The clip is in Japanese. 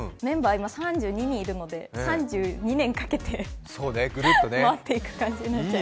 今、３２人いるので、３２年かけて回っていく感じになっちゃう。